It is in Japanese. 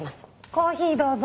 コーヒーどうぞ。